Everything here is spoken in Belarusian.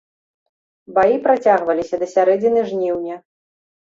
Баі працягваліся да сярэдзіны жніўня.